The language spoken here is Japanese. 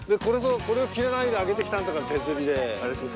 これを切らないで上げてきたんだから手釣りで。